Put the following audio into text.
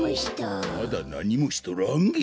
まだなにもしとらんげ？